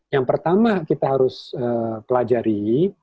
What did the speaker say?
yang pertama kita harus pelajari